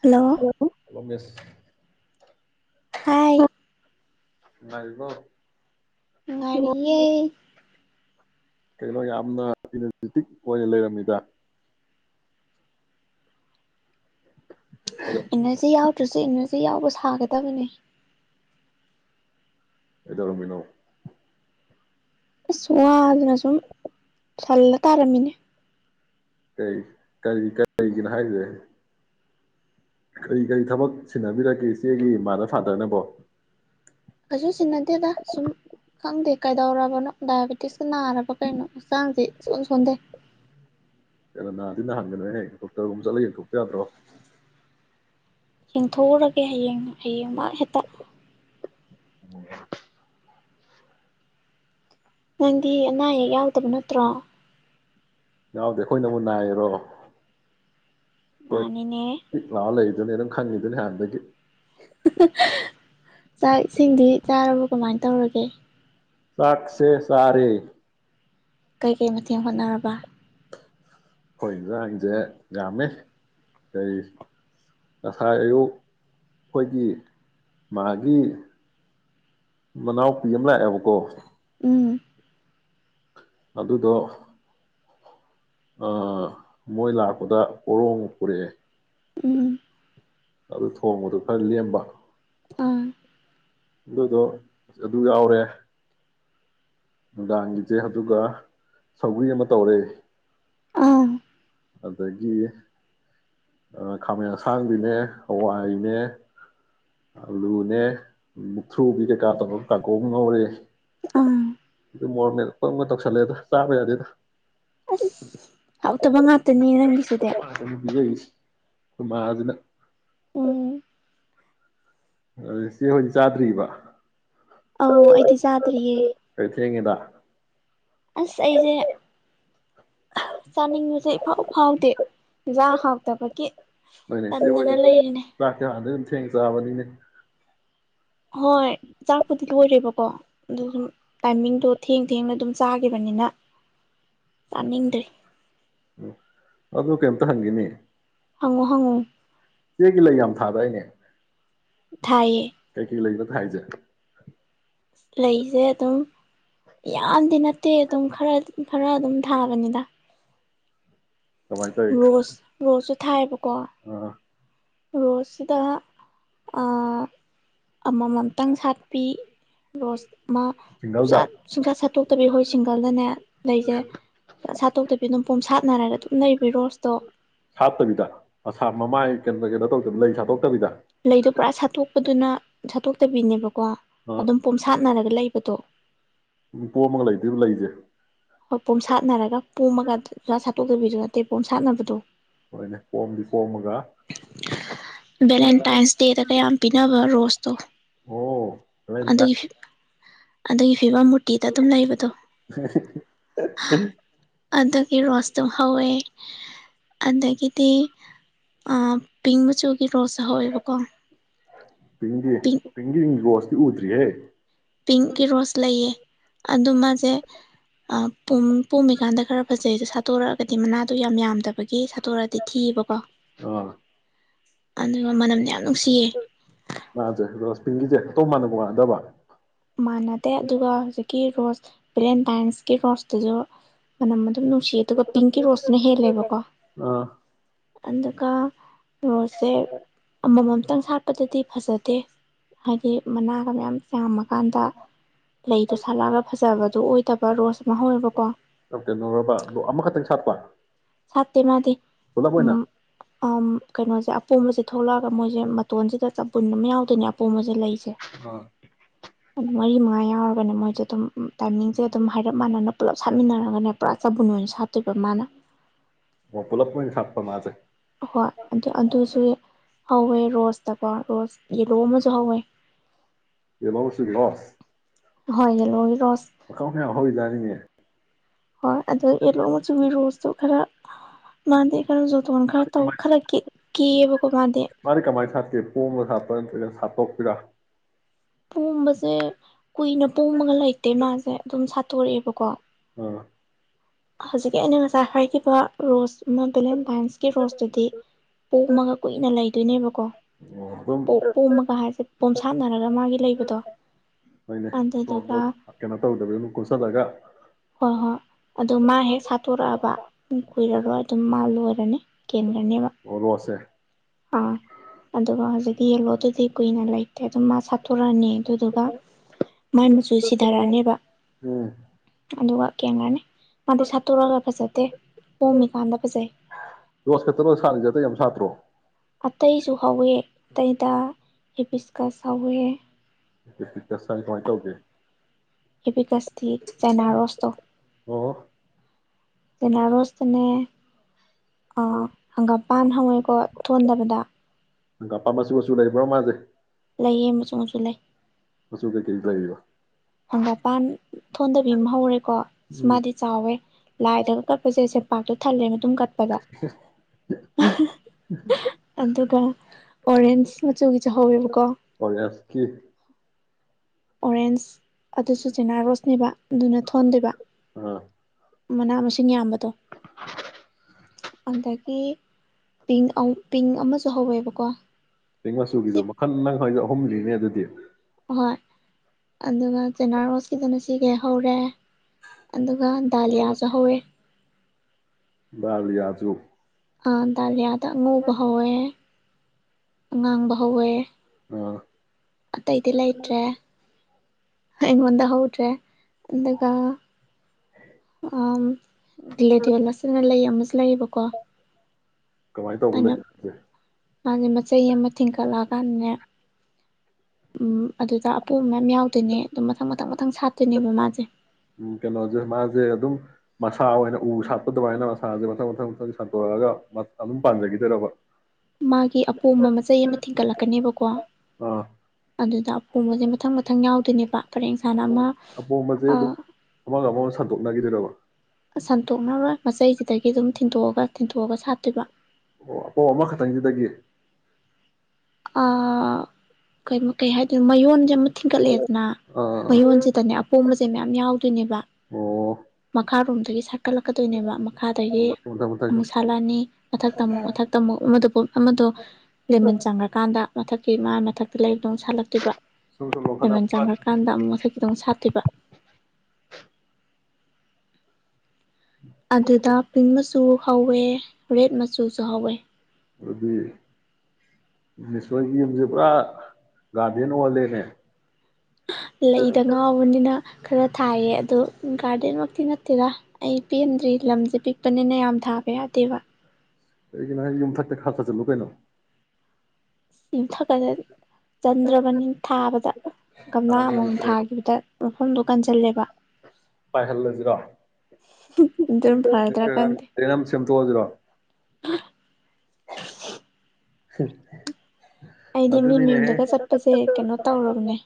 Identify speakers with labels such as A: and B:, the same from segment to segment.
A: hello
B: ꯂꯣꯒꯁ
A: ꯍꯥꯏ
B: ꯂ ꯅꯨꯡꯉꯥꯏꯔꯤꯕꯣ
A: ꯅꯨꯡꯉꯥꯏꯔꯤꯌꯦ
B: ꯀꯩꯅꯣ ꯌꯥꯝꯅ ꯏꯅ꯭ꯔꯖꯦꯇꯤꯛ ꯑꯣꯏꯅ ꯂꯩꯔꯝꯃꯤꯗ
A: ꯏꯅꯔꯖꯤ ꯌꯥꯎꯗ꯭ꯔꯁꯨ ꯏꯅꯔꯖꯤ ꯌꯥꯎꯕ ꯁꯥ ꯁꯥꯒꯗꯝꯅꯦ
B: ꯀꯩꯗꯧꯔꯝꯃꯤꯅꯣ
A: ꯑꯁ ꯋꯥꯗꯅ ꯁꯨꯝ ꯁꯜꯂ ꯇꯥꯔꯝꯃꯤꯅꯦ
B: ꯀꯔꯤ ꯀꯔꯤ ꯀꯔꯤꯒꯤꯅꯣ ꯍꯥꯏꯖꯦ ꯀꯔꯤ ꯀꯔꯤ ꯊꯕꯛ ꯁꯤꯟꯅꯕꯤꯒꯦ ꯏꯆꯦꯒꯤ ꯃꯥꯗꯔ ꯐꯥꯗꯔꯅꯕꯣ
A: ꯀꯩꯁꯨ ꯁꯤꯟꯅꯗꯦꯗ ꯁꯨꯝ ꯈꯪꯗꯦ ꯀꯩꯗꯧꯔꯕꯅꯣ ꯗꯥꯏꯕꯦꯇꯤꯁꯀ ꯅꯥꯔꯕ ꯀꯩꯅꯣ ꯍꯛꯆꯥꯡꯖꯦ ꯏꯁꯣꯟ ꯁꯣꯟꯗꯩ
B: ꯀꯩꯅꯣ ꯅꯥꯗꯤ ꯅꯥꯍꯟꯒꯅꯣꯍꯦ ꯗꯣꯛꯇꯔ ꯀꯣꯛ ꯆꯠꯂ ꯌꯦꯡꯊꯣꯛꯄ ꯌꯥꯗ꯭ꯔꯣ
A: ꯌꯦꯡꯊꯣꯛꯎꯔꯒꯦ ꯍꯌꯦꯡ ꯍꯌꯦꯡ ꯃꯥ ꯍꯦꯛꯇ
B: [unintelligible]
A: ꯅꯪꯗꯤ ꯑꯅꯥ ꯑꯌꯦꯛ ꯌꯥꯎꯗꯕ ꯅꯠꯇ꯭ꯔꯣ
B: ꯌꯥꯎꯗꯦ ꯑꯩꯈꯣꯏꯅꯕꯨ ꯅꯥꯏꯔꯣ ꯍꯣꯏ
A: ꯃꯥꯅꯤꯅꯦ
B: ꯇꯤꯛ ꯂꯥꯑ ꯂꯩ ꯑꯗꯨꯅꯦ ꯑꯗꯨꯝ ꯈꯪꯉꯤꯗꯨꯅꯦ ꯍꯥꯟꯅꯗꯒꯤ
A: ꯍ ꯍ ꯍꯍ ꯆꯥꯛ ꯏꯁꯤꯡꯗꯤ ꯆꯥꯔꯕ ꯀꯃꯥꯏꯅ ꯇꯧꯔꯒꯦ
B: ꯆꯥꯛꯁꯦ ꯆꯥꯔꯦ
A: ꯀꯩꯀꯩ ꯃꯊꯦꯟ ꯍꯣꯠꯅꯔꯕ
B: ꯍꯣꯏ ꯏꯟꯖꯥꯡꯖꯦ ꯌꯥꯝꯃꯦ ꯀꯔꯤ ꯉꯁꯥꯏ ꯑꯌꯨꯛ ꯑꯩꯈꯣꯏꯒꯤ ꯃꯥꯒꯤ ꯃꯅꯥꯎꯄꯤ ꯑꯃ ꯂꯥꯛꯑꯦꯕꯀꯣ
A: ꯎꯝ
B: ꯑꯗꯨꯗꯣ ꯑ ꯃꯣꯏ ꯂꯥꯛꯄꯗ ꯄꯣꯔꯣꯡ ꯄꯨꯔꯛꯑꯦ
A: ꯎꯝ
B: ꯑꯗꯨ ꯊꯣꯡꯕꯗꯨ ꯈꯔ ꯂꯦꯞꯄ
A: ꯑ
B: ꯑꯗꯨꯗꯣ ꯑꯗꯨ ꯌꯥꯎꯔꯦ ꯅꯨꯡꯗꯥꯡꯒꯤꯁꯦ ꯑꯗꯨꯒ ꯁꯧꯒꯔꯤ ꯑꯃ ꯇꯧꯔꯦ
A: ꯑꯥ
B: ꯑꯗꯒꯤ ꯈꯥꯃꯦꯟ ꯑꯁꯥꯡꯕꯤꯅꯦ ꯍꯋꯥꯏꯅꯦ ꯑꯂꯨꯅꯦ ꯃꯨꯛꯊ꯭ꯔꯨꯕꯤ ꯀꯩꯀꯥ ꯇꯧꯔ ꯀꯥꯡꯉꯧ ꯑꯃ ꯉꯧꯔꯦ
A: ꯑꯥ
B: ꯃꯣꯔꯣꯛ ꯃꯦꯠꯄꯝꯒ ꯇꯧꯁꯜꯂꯦꯗ ꯆꯥꯕ ꯌꯥꯗꯦꯗ
A: ꯑꯁ ꯍꯥꯎꯇꯕ ꯉꯥꯛꯇꯅꯦ ꯅꯪꯒꯤꯁꯦ
B: [unintelligible] ꯄꯤꯖꯩꯁꯤ ꯃꯥ ꯑꯗꯨꯅ
A: ꯎꯝ
B: ꯍꯧꯖꯤꯛ ꯆꯥꯗ꯭ꯔꯤꯕ
A: ꯑꯧ ꯑꯩꯗꯤ ꯆꯥꯗ꯭ꯔꯤꯌꯦ
B: ꯀꯩ ꯊꯦꯡꯉꯦꯗ
A: ꯑꯁ ꯑꯩꯁꯦ ꯆꯥꯅꯤꯡꯕꯁꯦ ꯏꯐꯥꯎ ꯐꯥꯎꯗꯦ ꯏꯟꯖꯥꯡ ꯍꯥꯎꯇꯕꯒꯤ
B: ꯍꯣꯏꯅꯦ
A: ꯇꯟꯗꯅ ꯂꯩꯔꯤꯅꯦ
B: [unintelligible] [unintelligible] ꯊꯦꯡꯅ ꯆꯥꯕꯅꯤꯅꯦ
A: ꯍꯣꯏ ꯆꯥꯛꯄꯨꯗꯤ ꯂꯣꯏꯔꯦꯕꯀꯣ ꯑꯗꯨ ꯑꯗꯨꯝ ꯇꯥꯏꯃꯤꯡꯗꯣ ꯊꯦꯡ ꯊꯦꯡꯅ ꯑꯗꯨꯝ ꯆꯥꯈꯤꯕꯅꯤꯅ ꯆꯥꯅꯤꯡꯗ꯭ꯔꯤ
B: ꯎꯝ ꯑꯗꯨ ꯀꯩꯝꯇ ꯍꯪꯒꯦꯅꯦ
A: ꯍꯪꯉꯣ ꯍꯪꯉꯣ
B: ꯆꯦꯒꯤ ꯂꯩ ꯌꯥꯝ ꯊꯥꯗꯥꯏꯅꯦ
A: ꯊꯥꯏꯌꯦ
B: ꯀꯩ ꯀꯩ ꯂꯩ ꯊꯥꯏꯖꯦ
A: ꯂꯩꯁꯦ ꯑꯗꯨꯝ ꯌꯥꯝꯗꯤ ꯅꯠꯇꯦ ꯑꯗꯨꯝ ꯈꯔ ꯈꯔ ꯑꯗꯨꯝ ꯊꯥꯕꯅꯤꯗ ꯔꯣꯁ ꯔꯣꯁ ꯊꯥꯏꯌꯦꯕꯀꯣ
B: ꯑꯥ
A: ꯔꯣꯁꯁꯤꯗ ꯑꯥ ꯑꯃꯃꯝꯇꯪ ꯁꯥꯠꯄꯤ ꯔꯣꯁ ꯑꯃ
B: ꯁꯤꯡꯒꯜꯗ
A: ꯄꯨꯡꯖꯥꯠ ꯁꯨꯡꯁꯥꯠ ꯁꯥꯠꯇꯣꯛꯇꯕꯤ ꯍꯣꯏ ꯁꯤꯡꯒꯜꯗꯅꯦ ꯂꯩꯖꯦ ꯁꯥꯠꯇꯣꯛꯇꯕꯤ ꯑꯗꯨꯝ ꯄꯣꯝꯁꯥꯠꯅꯔꯒ ꯑꯗꯨꯝ ꯂꯩꯕꯤ ꯔꯣꯁꯇꯣ
B: ꯀꯩꯅ ꯀꯩꯅꯣ ꯇꯧꯗꯕ ꯂꯩ ꯁꯥꯠꯇꯣꯛꯇꯕꯤꯗ
A: ꯂꯩꯗꯣ ꯄꯨꯔꯥ ꯁꯥꯠꯇꯣꯛꯄꯗꯨꯅ ꯁꯥꯠꯇꯣꯛꯇꯕꯤꯅꯦ ꯀꯣ
B: ꯑ
A: ꯑꯗꯨꯝ ꯄꯣꯝꯁꯥꯠꯅꯔꯒ ꯂꯩꯕꯗꯣ
B: ꯎꯝ ꯄꯣꯝꯃꯒ ꯂꯩꯗꯣꯏꯕ ꯂꯩꯁꯦ
A: ꯍꯣꯏ ꯄꯣꯝꯁꯥꯠꯅꯔꯒ ꯄꯣꯝꯃꯒ ꯇꯗꯕꯤꯗꯨ ꯅꯠꯇꯦ ꯄꯣꯝꯁꯥꯠꯅꯕꯤꯗꯣ
B: ꯍꯣꯏꯅꯦ ꯄꯣꯝꯗꯤ ꯄꯣꯝꯃꯒ
A: ꯚꯦꯂꯦꯟꯇꯥꯏꯟꯁ ꯗꯦꯗꯒ ꯌꯥꯝ ꯄꯤꯅꯕ ꯔꯣꯁ ꯇꯣ
B: ꯑꯣ ꯚꯦꯂꯦꯟꯇꯥꯏꯟ
A: ꯑꯗꯨꯒꯤ ꯑꯗꯒꯤ ꯐꯤꯚꯝ ꯃꯨꯔꯇꯤꯗ ꯑꯗꯨꯝ ꯂꯩꯕꯗꯣ ꯑꯗꯨꯒꯤ ꯔꯣꯁꯇꯣ ꯍꯧꯋꯦ ꯑꯗꯒꯤꯗꯤ ꯑꯥ ꯄꯤꯡ ꯃꯆꯨ ꯒꯤ ꯔꯣꯁ ꯍꯧꯋꯦꯕꯀꯣ
B: ꯄꯤꯡꯒꯤ
A: ꯄꯤꯡ
B: ꯄꯤꯡꯒꯤ ꯔꯣꯁ ꯎꯗ꯭ꯔꯤ ꯍꯦ
A: ꯄꯤꯡꯀꯤ ꯔꯣꯁ ꯂꯩꯌꯦ ꯑꯗꯨ ꯃꯥꯁꯦ ꯄꯨꯝꯃꯤꯀꯥꯟꯗ ꯈꯔ ꯐꯖ ꯖꯩꯗꯣ ꯁꯥꯠꯇꯣꯔꯛꯑꯒꯗꯤ ꯃꯅꯥꯗ ꯌꯥꯝ ꯌꯥꯝꯗꯕꯒꯤ ꯁꯥꯠꯇꯣꯔꯛꯑꯗꯤ ꯊꯤꯑꯕꯀꯣ
B: ꯑ
A: ꯑꯗꯨꯒ ꯃꯅꯝꯅ ꯌꯥꯝ ꯅꯨꯡꯁꯤꯌꯦ
B: ꯇ ꯃꯅꯒꯗꯕꯔꯦ
A: ꯃ ꯅꯨꯡ ꯁꯤ ꯑꯗꯨꯒ ꯄꯤꯡꯀꯤ ꯔꯣꯁꯅ ꯍꯦꯜꯂꯦꯕꯀꯣ ꯑꯗꯨꯀ ꯔꯣꯠꯁꯦ ꯑꯃꯃꯝ ꯈꯤꯇꯪ ꯁꯥꯠꯄꯗꯗꯤ ꯐꯖꯗꯦ ꯍꯥꯏꯗꯤ ꯃꯅꯥꯒ ꯃꯌꯥꯝ ꯌꯥꯝꯃꯛ ꯀꯥꯟꯗ ꯂꯩꯗꯣ ꯁꯥꯠꯂꯛꯑꯒ ꯐꯖꯕꯗ ꯑꯣꯏꯗꯕ ꯔꯣꯁ ꯑꯃ ꯍꯧꯋꯦꯕꯀꯣ
B: ꯇ ꯅꯧꯔꯕ ꯑ ꯑꯃꯈꯛꯇꯪ ꯁꯥꯠꯄ
A: ꯁꯥꯇ ꯃꯥꯗꯤ
B: ꯐꯣꯂꯄꯣꯏꯅ
A: ꯀꯩꯅꯣꯁꯦ ꯑꯄꯣꯝꯕꯁꯦ ꯊꯣꯛꯂꯛꯑꯒ ꯃꯣꯏꯁꯦ ꯃꯇꯣꯟꯁꯤꯗ ꯆꯄꯟ ꯑꯃ ꯌꯥꯎꯗꯣꯏꯅꯦ ꯑꯄꯣꯝꯕꯁꯦ ꯂꯩ
B: ꯍ
A: ꯑꯗꯨ ꯃꯔꯤ ꯃꯉꯥ ꯌꯥꯎꯔꯒꯅꯦ ꯃꯣꯏꯁꯦ ꯑꯗꯨꯝ ꯇꯥꯏꯃꯤꯡꯁꯦ ꯑꯗꯨꯝ ꯍꯥꯏꯔꯞ ꯃꯥꯟꯅꯅ ꯄꯨꯂꯞ ꯁꯥꯠꯃꯤꯟꯅꯔꯒꯅꯦ ꯄꯨꯔꯥ ꯆꯕꯨꯟ ꯑꯣꯏꯅ ꯁꯥꯠꯇꯣꯏꯕ ꯃꯥꯅ
B: ꯃꯣꯄꯂꯞꯄ ꯁꯥꯄ ꯃꯥꯁꯦ
A: ꯍꯣꯏ ꯑꯗꯨ ꯑꯗꯨꯁꯨ ꯍꯧꯋꯦ ꯔꯣꯁꯇꯀꯣ ꯔꯣꯁ ꯌꯦꯂꯣ ꯑꯃꯁꯨ ꯍꯧꯋꯦ
B: ꯌꯦꯂ ꯁꯤꯥ
A: ꯍ ꯌꯦꯂꯣ ꯔ
B: ꯃꯈꯪ ꯃꯈꯌꯥꯝ ꯍꯖꯥꯅꯤꯡꯅꯦ
A: ꯍꯣꯏ ꯑꯗꯨꯗꯣ ꯑꯦꯂ ꯑꯃ ꯆ ꯔꯣꯁꯇ ꯈꯔ ꯃꯥ ꯀꯩꯅꯣ ꯆꯇꯣꯟ ꯈꯔ
B: ꯃꯥꯗꯤ ꯀꯃꯥꯏ
A: ꯈꯂ ꯀꯦꯑꯕꯀꯣ ꯃꯥꯗꯤ
B: ꯀꯦ ꯄꯣ ꯑꯃ ꯁꯥꯞꯄ ꯅꯠꯇ꯭ꯔꯒ ꯁꯥꯠꯇꯣꯛꯄꯤꯔꯥ
A: ꯄꯣꯝꯕꯁꯦ ꯀꯨꯏꯅ ꯄꯣꯝꯃꯒ ꯂꯩꯇꯦ ꯃꯥꯁꯦ ꯑꯗꯨꯝ ꯁꯥꯠꯇꯣꯔꯛꯑꯦꯕꯀꯣ
B: ꯑꯝ
A: ꯍꯧꯖꯤꯛꯀꯤ ꯑꯩꯅ ꯉꯁꯥꯏ ꯍꯥꯏꯈꯤꯕ ꯔꯣꯁ ꯑꯃ ꯚꯦꯂꯦꯟꯇꯥꯏꯟꯁꯀꯤ ꯔꯣꯁꯇꯗꯤ ꯄꯣꯝꯃꯒ ꯀꯨꯏꯅ ꯂꯩꯗꯣꯏꯅꯦꯕꯀꯣ
B: ꯑꯣ ꯑꯗꯨꯝ
A: ꯄ ꯄꯣꯝꯃꯒ ꯍꯥꯏꯁꯦ ꯄꯣꯝꯁꯥꯠꯅꯔꯒ ꯃꯥꯒꯤ ꯂꯩꯕꯗꯣ
B: ꯍꯣꯏꯅꯦ
A: ꯑꯗꯨꯗꯨꯒ
B: ꯃꯇꯣꯝꯗꯣ ꯑ ꯀꯩꯅꯣ ꯇꯧꯗꯕ ꯑꯗꯨꯝ ꯀꯨꯞꯁꯜꯂꯒ
A: ꯍꯣꯏ ꯍꯣꯏ ꯑꯗꯨ ꯃꯥ ꯍꯦꯛ ꯁꯥꯠꯇꯣꯔꯛꯑꯕ ꯀꯨꯏꯔꯔꯣꯏ ꯑꯗꯨꯝ ꯃꯥ ꯂꯣꯏꯔꯅꯤ ꯀꯦꯟꯈ꯭ꯔꯅꯦꯕ
B: ꯑꯣ ꯔꯣ꯭ꯁꯁꯦ
A: ꯑꯥ ꯑꯗꯨꯒ ꯍꯧꯖꯤꯛꯀꯤ ꯌꯦꯂꯣꯗꯨꯗꯤ ꯀꯨꯏꯅ ꯂꯩꯇꯦ ꯑꯗꯨꯝ ꯃꯥ ꯁꯥꯊꯣ ꯔꯛ ꯑꯅꯤ ꯑꯗꯨꯗꯨꯒ ꯃꯥꯏ ꯃꯆꯨ ꯁꯤꯊꯔꯛꯑꯅꯤꯕ
B: ꯎꯝ
A: ꯑꯗꯨꯒ ꯀꯦꯟꯈꯔꯅꯤ ꯃꯥꯗꯤ ꯁꯥꯠꯇꯣꯔꯛ ꯑꯒ ꯐꯖꯗꯦ ꯄꯣꯝꯃꯤꯀꯥꯟꯗ ꯐꯖꯩ
B: ꯔꯣꯁ ꯈꯛꯇꯔꯣ ꯁꯥꯠꯂꯤꯁꯦ ꯑꯇꯩ ꯌꯥꯝ ꯁꯥꯠꯇ꯭ꯔꯣ
A: ꯑꯇꯩꯁꯨ ꯍꯧꯋꯦ ꯑꯇꯩꯗ ꯍꯦꯕꯤꯁꯀ꯭ꯁ ꯍꯧꯋꯦ
B: ꯍꯦꯕꯤꯁꯀ꯭ꯁ ꯍꯥꯏꯁꯦ ꯀꯃꯥꯏ ꯇꯧꯒꯦ
A: ꯍꯦꯕꯤꯁꯀ꯭ꯁꯇꯤ ꯖꯤꯅꯥ ꯔꯣꯁꯇꯣ
B: ꯑꯣ
A: ꯆꯤꯅ ꯔꯣꯁꯇꯅꯦ ꯑꯥ ꯍꯪꯒꯥꯝꯄꯥꯟ ꯍꯥꯏꯕꯥꯀꯣ ꯊꯣꯟꯗꯕꯗ
B: ꯍꯪꯒꯄꯥꯟ ꯃꯆꯨ ꯃꯆꯨ ꯂꯩꯕ꯭ꯔꯣ ꯃꯥꯁꯦ
A: ꯂꯩꯌꯦ ꯃꯆꯨ ꯃꯆꯨ ꯂꯩ
B: ꯃꯆꯨ ꯀꯩ ꯀꯩ ꯂꯩꯔꯤꯕ
A: ꯍꯪꯒꯥꯄꯥꯟ ꯊꯣꯟꯗꯕꯤ ꯑꯃ ꯍꯧꯔꯦꯀꯣ ꯑ
B: ꯎꯝ
A: ꯃꯥꯗꯤ ꯆꯥꯎꯋꯦ ꯂꯥꯏꯗꯒ ꯀꯠꯄꯁꯦ ꯁꯦꯝꯄꯥꯛꯇꯣ ꯊꯜꯂꯦ ꯃꯇꯨꯝ ꯀꯠꯄꯗ ꯑꯗꯨꯒ ꯑꯣꯔꯦꯟꯖ ꯃ
B: ꯑꯣꯔꯦꯟꯁꯀꯤ
A: ꯑꯣꯔꯦꯟꯁ ꯑꯗꯨꯁꯨ ꯆꯤꯅꯥ ꯔꯣꯁꯅꯦꯕ ꯑꯗꯨꯅ ꯊꯣꯟꯗꯕ
B: ꯑꯥ
A: ꯃꯅꯥ ꯃꯁꯤꯡ ꯌꯥꯝꯕꯗꯣ ꯑꯗꯒꯤ ꯄꯤꯡ ꯄꯤꯡ ꯑꯃꯁꯨ ꯍꯧꯋꯦꯕꯀꯣ
B: ꯄꯤꯡ ꯃꯆꯨꯗꯣ
A: ꯁꯤ
B: ꯃꯈꯟ ꯅꯪ ꯍꯥꯏꯗꯣ ꯑ ꯍꯨꯝꯅꯤꯅꯦ ꯑꯗꯨꯗꯤ
A: ꯍꯣꯏ ꯑꯗꯨꯒ ꯆꯤꯅꯥꯔꯣꯁꯀꯤꯗꯅ ꯁꯤ ꯈꯩ ꯍꯧꯔꯦ ꯑꯗꯨ ꯒ ꯗꯥꯂꯤꯌꯥꯁꯨ ꯍꯧꯔꯦ
B: ꯗꯂꯤꯌꯥꯖꯨ
A: ꯑ ꯗꯂꯤꯌꯥ ꯑꯉꯧꯕ ꯍꯧꯋꯦ ꯑꯉꯥꯡꯕ ꯍꯧꯋꯦ
B: ꯑꯥ
A: ꯑꯇꯩꯗꯤ ꯂꯩꯇ꯭ꯔꯦ ꯑꯩꯉꯣꯟꯗ ꯍꯧꯗ꯭ꯔꯦ ꯑꯗꯨꯒ ꯑꯝ ꯒ꯭ꯂꯦꯗꯤꯌꯔ ꯅ ꯂꯩ ꯑꯃꯁꯨ ꯂꯩꯌꯦꯕꯀꯣ
B: ꯀꯃꯥꯏꯅ ꯇꯧꯕ
A: ꯑꯗꯨꯅ
B: ꯂꯩ ꯁꯦ
A: ꯃꯥꯁꯦ ꯃꯆꯩ ꯑꯃ ꯊꯤꯡꯀꯠꯂꯛ ꯑꯀꯥꯟꯗꯅꯦ ꯑꯗꯨꯗ ꯑꯄꯣꯝꯕ ꯃꯌꯥꯝ ꯌꯥꯎꯗꯣꯏꯅꯦ ꯑꯗꯨꯝ ꯃꯊꯪ ꯃꯊꯪ ꯃꯊ
B: ꯎꯝ ꯀꯩꯅꯣꯁꯦ ꯃꯥꯁꯦ ꯑꯗꯨꯝ ꯃꯁꯥ ꯑꯣꯏꯅ ꯎ ꯁꯥꯠꯄ ꯑꯗꯨꯃꯥꯏꯅ ꯃꯁꯥꯁꯦ ꯃꯊꯪ ꯃꯊꯪ ꯃꯊꯪ ꯁꯥꯟꯠꯇꯣꯔꯛꯑꯒ ꯑꯗꯨꯝ ꯄꯥꯟꯖꯈꯤꯗꯩꯔꯕ
A: ꯃꯥꯒꯤ ꯑꯄꯣꯝꯕ ꯃꯆꯩ ꯑꯃ ꯊꯤꯡꯒꯠꯂꯛ ꯀꯅꯤꯕꯀꯣ
B: ꯑꯥ
A: ꯑꯗꯨꯗ ꯐꯣꯡꯕꯁꯦ ꯃꯊꯪ ꯃꯊꯪ ꯌꯥꯎꯗꯣꯏꯅꯦꯕ ꯈꯔꯦꯟꯁꯥꯅ ꯑꯃ
B: ꯑꯄꯣꯝ ꯑꯄꯣꯝꯕꯁꯦ ꯑꯗꯨꯝ ꯑꯃꯒ ꯑꯃꯒ ꯁꯟꯗꯣꯛ ꯂꯒꯗ ꯂꯕ
A: ꯁꯟꯇꯣꯛꯅꯔꯣꯏ ꯃꯆꯩꯁꯤꯗꯒꯤ ꯑꯗꯨꯝ ꯊꯤꯟꯗꯣꯛꯑꯒ ꯊꯤꯟꯇꯣꯛꯑꯒ ꯁꯥꯠꯇꯣꯏꯕ
B: ꯑꯣ ꯑ ꯄꯣ ꯑꯃꯈꯛꯇꯪꯁꯤꯗꯒꯤ
A: ꯑ ꯀꯩꯅ ꯀꯩ ꯍꯥꯏꯗꯣꯏꯅꯣ ꯃꯌꯣꯟꯁꯦ ꯊꯤꯟꯒꯠꯂꯦꯗꯅ
B: ꯑꯥ
A: ꯃꯌꯣꯟꯁꯤꯗꯅꯦ ꯑꯄꯣꯝꯕꯁꯦ ꯃꯌꯥꯝ ꯌꯥꯎꯗ ꯟꯕ
B: ꯑꯣ
A: ꯃꯈꯥꯔꯣꯝꯗꯒꯤ ꯁꯥꯀꯠꯂꯛꯀꯗꯣꯏꯅꯦꯕ ꯃꯈꯥ ꯑꯗꯒꯤ
B: ꯃꯊꯪ ꯃꯊꯪ ꯁꯨꯝ
A: ꯑꯃꯨꯛ ꯁꯥꯂꯑꯅꯤ ꯃꯊꯛ ꯇ ꯑꯃꯨꯛ ꯃꯊꯛ ꯇ ꯑꯃꯨꯛ ꯑꯃꯗꯨ ꯄꯣꯠ ꯑꯃꯗꯣ ꯂꯦꯃꯟ ꯆꯪꯈ꯭ꯔꯀꯥꯟꯗ ꯃꯊꯛꯀꯤ ꯃꯥꯒꯤ ꯃꯊꯛꯇ ꯂꯩꯕꯗꯧ ꯁꯥꯠꯂꯛꯇꯕ
B: ꯁꯨꯝ ꯁꯨꯝ
A: ꯂꯦꯃꯟ
B: ꯂꯧꯈꯠꯂꯛꯄ
A: ꯆꯪꯈ꯭ꯔꯀꯥꯟꯗ ꯑꯃꯨꯛ ꯃꯊꯛꯀꯤꯗꯧ ꯁꯥꯠꯇꯕ ꯍꯧꯧꯋꯦ ꯔꯦꯠ ꯃꯆꯨꯁꯨ ꯍꯧꯋꯦ
B: ꯑꯗꯨꯗꯤ ꯌꯦꯝꯁꯦ ꯄꯨꯔꯥ ꯒꯥꯔꯗꯦꯟ ꯑꯣꯜꯂꯦꯅꯦ
A: ꯂꯩꯗ ꯉꯥꯎꯕꯅꯤꯅ ꯈꯔ ꯊꯥꯏꯌꯦ ꯑꯗꯨꯗ ꯒꯥꯔꯗꯦꯟꯃꯛꯇꯤ ꯅꯠꯇꯦꯔ ꯑꯩ ꯄꯦꯟꯗ꯭ꯔꯤ ꯂꯝꯁꯦ ꯄꯤꯛꯄꯅꯤꯅ ꯌꯥꯝ ꯊꯥꯕ ꯌꯥꯗꯦꯕ
B: ꯑꯩ ꯀꯅ ꯌꯨꯝ ꯊꯔꯇꯦ ꯈꯥꯛ ꯆ ꯂꯨ ꯀꯥꯏꯅꯣ
A: ꯁꯤ ꯊꯖꯔꯤ ꯆꯟꯗ꯭ꯔꯕꯅꯤ ꯊꯥꯕꯗ ꯒꯝꯂꯥ
B: ꯀꯥꯟꯅꯕ
A: ꯑꯃꯃꯝ
B: ꯂꯩꯇ꯭ꯔꯦꯕ
A: ꯊꯥꯈꯤꯕꯗ ꯃꯐꯝꯗꯨ ꯀꯥꯟ ꯆꯜꯂꯦꯕ
B: ꯄꯥꯏꯍꯜꯂꯁꯤꯔꯣ
A: ꯑꯗꯨꯝ ꯐꯔꯗ꯭ꯔꯥ ꯈꯪꯗꯦ
B: ꯑꯃ ꯁꯦꯝꯗꯣꯛꯑꯁꯤꯔꯣ
A: [inaudible]
B: ꯍꯝ
A: ꯑꯩꯗꯤ ꯃꯤ ꯃꯌꯨꯝꯗꯒ ꯆꯠꯄꯁꯦ ꯀꯩꯅꯣ ꯇꯧꯔꯕꯅꯦ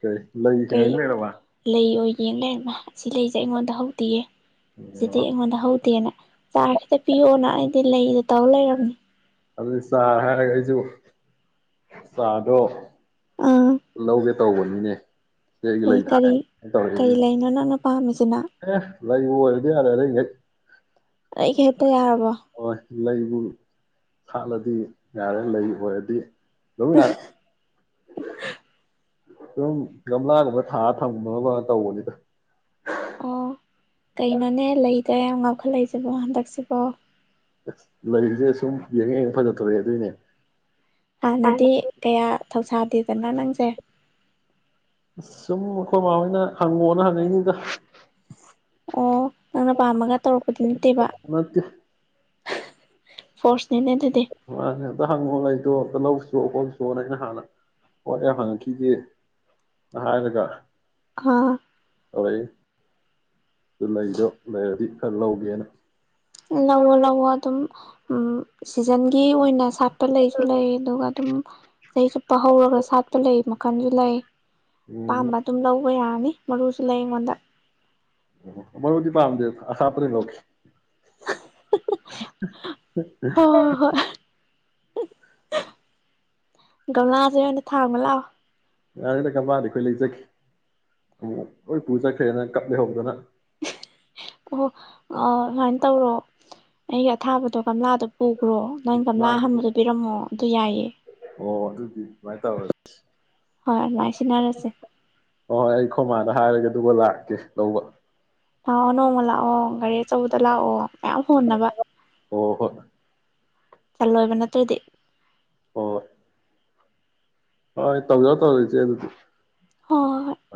B: ꯀꯩ ꯂꯩ
A: ꯀꯩ
B: ꯍꯦꯡꯂꯩꯔꯕ
A: ꯂꯩ ꯑꯣꯏ ꯌꯦꯟ ꯂꯩꯔꯃ ꯑꯁꯤ ꯂꯩꯁꯦ ꯑꯩꯉꯣꯟꯗ ꯍꯧꯗꯤꯤꯌꯦ
B: ꯑꯣ
A: ꯑꯗꯨꯗꯤꯉꯣꯟꯅ ꯍꯧꯗꯦꯅ ꯆꯥꯔ ꯈꯤꯇ ꯄꯤꯌꯣꯅ ꯑꯩꯗꯤ ꯂꯩꯗ ꯇꯧ ꯂꯩꯔꯕꯝꯅꯤ
B: ꯑꯗꯨꯗꯤ ꯆꯥꯔ ꯍꯥꯏꯔꯒ ꯑꯩꯁꯨ ꯆꯥꯗꯣ ꯂꯧꯒꯦ ꯇꯧꯕꯅꯤꯅꯦ ꯏꯆꯦꯒꯤ
A: ꯀꯔꯤ
B: ꯂꯩ
A: ꯀꯔꯤ
B: ꯊꯥꯏ
A: ꯀꯔꯤ
B: ꯇꯧꯔꯛꯏꯅꯤ
A: ꯂꯩꯅꯣ ꯅꯪꯅ ꯄꯥꯝꯃꯤꯁꯤꯅ
B: ꯂꯩ ꯑꯣꯏꯔꯗꯤ ꯌꯥꯔꯦꯔꯒ
A: ꯑꯩꯒ ꯍꯦꯛꯇ ꯌꯥꯔꯕꯣ
B: ꯂꯩꯕꯨ ꯈꯠꯂꯗꯤ ꯌꯥꯔꯦ ꯂꯩ ꯑꯣꯏꯔꯗꯤ ꯂ ꯌꯥꯔ
A: [inaudible]
B: ꯁꯨꯝ ꯒꯝꯂꯥꯒꯨꯝꯕ ꯊꯥꯔ ꯊꯝꯒꯨꯝꯕ ꯑꯃꯒꯨꯝꯅ ꯇꯧꯕꯅꯤꯗ
A: ꯑꯣ ꯀꯩꯅꯣꯅꯦ ꯂꯩꯗ ꯌꯥꯝ ꯉꯥꯎꯈꯠꯂꯛꯏꯁꯤꯕꯣ ꯍꯟꯗꯛꯁꯤꯕꯣ
B: ꯑ ꯂꯩꯔꯤꯁꯦ ꯁꯨꯝ ꯌꯦꯡꯉ ꯌꯦꯡ ꯐꯖ ꯇꯣꯔꯛꯑꯦ ꯑꯗꯨꯏꯅꯦ
A: ꯍꯥꯟꯅꯗꯤ ꯀꯌꯥ ꯊꯧꯁꯥꯗꯦꯗꯅ ꯅꯪꯁꯦ
B: ꯑꯁ ꯁꯨꯝ ꯑꯩꯈꯣꯏꯃꯥꯍꯣꯏꯅ ꯍꯪꯉꯣꯅ ꯍꯪꯉꯛꯏꯅꯤꯗ
A: ꯑꯣ ꯅꯪꯅ ꯄꯥꯝꯃꯒ ꯇꯧꯔꯛꯄꯗꯤ ꯅꯠꯇꯦꯕ
B: ꯅꯠꯇꯦ
A: ꯐꯣꯔꯁ
B: ꯑ ꯑꯗ ꯍꯪ ꯍꯥꯏ ꯇ ꯂꯧꯁꯨ ꯍꯈꯣꯁꯨꯅ ꯑꯩꯅ ꯍꯥꯟꯅ ꯋꯥꯠ ꯌꯥꯝ ꯍꯪꯉꯛꯈꯤꯒꯦꯅ ꯍꯥꯏꯔꯒ
A: ꯑꯥ
B: ꯍꯣꯏ ꯑꯗꯨ ꯂꯩꯗꯣ ꯂꯩꯔꯗꯤ ꯈꯔ ꯂꯧꯒꯦꯅ
A: ꯂꯍꯣ ꯂꯣ ꯑꯗꯨꯝ ꯎ ꯁꯤꯖꯟꯒꯤ ꯑꯣꯏꯅ ꯁꯥꯠꯄ ꯂꯩꯁꯨ ꯂꯩ ꯑꯗꯨꯒ ꯑꯗꯨꯝ ꯆꯍꯤ ꯆꯨꯞꯄ ꯍꯧꯔꯒ ꯁꯥꯠꯄ ꯂꯩ ꯃꯈꯟꯁꯨ ꯂꯩ
B: ꯎꯝ
A: ꯄꯥꯝꯕ ꯑꯗꯨꯝ ꯂꯧ ꯑꯣꯏ ꯌꯥꯅꯤ ꯃꯔꯨꯁꯨ ꯂꯩ ꯑꯩꯉꯣꯟꯗ
B: ꯃꯕꯨꯗꯤ ꯄꯥꯑꯝꯗꯦꯕ ꯑ꯭ꯔꯦ ꯂ [inaudible]
A: ꯍꯣꯏ ꯍꯣꯏ ꯍꯣꯏ ꯒꯝꯂꯥꯁꯦ ꯍꯣꯟ ꯑꯣꯏꯅ ꯊꯥꯡꯕ ꯂꯥꯛꯑꯣ
B: ꯌꯥꯔꯦꯗ ꯀꯗꯤ ꯑꯩꯈꯣꯏ ꯂꯩꯖꯈꯤ ꯍꯣꯏ ꯄꯨꯖꯈ꯭ꯔꯦꯅ ꯀꯞ ꯂꯩꯍꯧꯗꯅ
A: ꯑꯣꯍꯣ ꯑ ꯑꯗꯨꯃꯥꯏꯅ ꯇꯧꯔꯣ ꯑꯩꯒꯤ ꯑꯊꯥꯕꯗꯣ ꯀꯪꯂꯝꯂꯥꯗꯣ ꯎꯈ꯭ꯔꯣ ꯅꯪ ꯀꯝꯂꯥꯍꯟꯕꯗꯨ ꯄꯤꯔꯝꯃꯣ ꯑꯗꯨ ꯌꯥꯏꯌꯦ
B: ꯑꯣ ꯑꯗꯨꯗꯤ ꯁꯃꯥꯏꯅ ꯇꯧꯔꯦ
A: ꯍ ꯅꯥꯏꯁꯤꯅꯅꯁꯦ
B: ꯍ ꯍꯣꯏ ꯑꯩ ꯈꯣꯃꯥꯗ ꯍꯥꯏꯔꯒ ꯑꯗꯨꯒ ꯂꯥꯛꯀꯦ ꯂꯧꯕ
A: ꯍꯥꯎꯅꯣ ꯃꯂ ꯑꯣ ꯔꯤ ꯆꯧꯕ ꯆꯂꯛꯑꯣ
B: ꯑꯣ ꯍꯣ
A: ꯆꯂꯣꯏꯕ ꯅꯠꯇꯇꯩꯗꯤꯗꯤ
B: ꯍ ꯍꯣꯏ ꯇꯧꯖꯕ ꯇꯧꯖꯣꯏꯁꯦ ꯑꯗꯨꯗꯤ
A: ꯍꯣꯏ ꯍꯣꯏ ꯍꯣꯏ
B: ꯍ